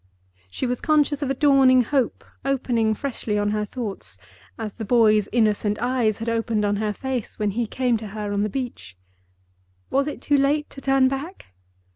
She was conscious of a dawning hope, opening freshly on her thoughts, as the boy's innocent eyes had opened on her face when he came to her on the beach. Was it too late to turn back?